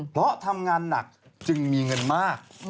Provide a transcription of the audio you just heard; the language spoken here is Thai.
เพราะทำงานหนักจึงมีเงินมาก